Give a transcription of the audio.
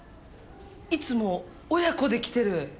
いつも親子で来てる。